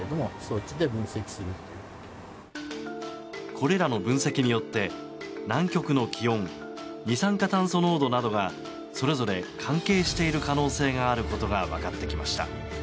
これらの分析によって南極の気温二酸化炭素濃度などがそれぞれ関係している可能性があることが分かってきました。